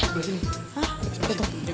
di sebelah sini